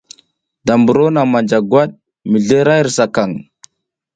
Da mburo naŋ manja gwat mizli ra hirsakaŋ.